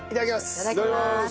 いただきます！